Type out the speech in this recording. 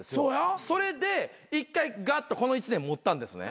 それで１回ガッとこの１年もったんですね。